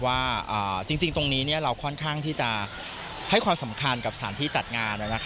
ว่าจริงตรงนี้เราค่อนข้างที่จะให้ความสำคัญกับสถานที่จัดงาน